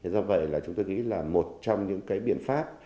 do vậy chúng tôi nghĩ là một trong những biện pháp